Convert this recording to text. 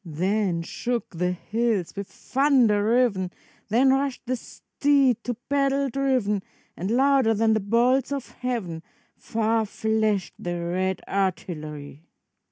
Then shook the hills with thunder riven. Then rushed the steed to battle driven, And louder than the bolts of heaven Far flashed the red artillery.